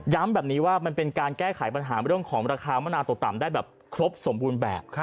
แบบนี้ว่ามันเป็นการแก้ไขปัญหาเรื่องของราคามะนาวตกต่ำได้แบบครบสมบูรณ์แบบ